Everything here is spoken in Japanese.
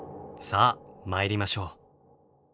さあ参りましょう。